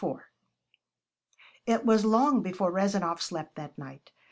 IV It was long before Rezanov slept that night.